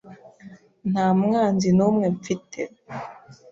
Nta mwanzi numwe mfite.